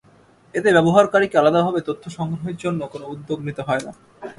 এতে ব্যবহারকারীকে আলাদাভাবে তথ্য সংগ্রহের জন্য কোনো উদ্যোগ নিতে হয় না।